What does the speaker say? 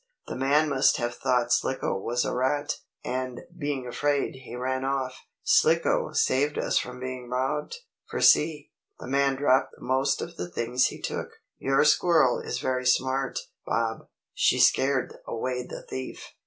The man must have thought Slicko was a rat, and, being afraid, he ran off. Slicko saved us from being robbed, for see, the man dropped most of the things he took. Your squirrel is very smart, Bob. She scared away the thief."